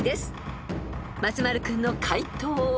［松丸君の解答は？］